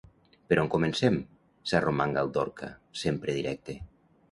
Per on comencem? —s'arromanga el Dorca, sempre directe.